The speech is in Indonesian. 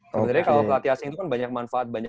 sebenernya kalau pelatih asing itu kan banyak manfaat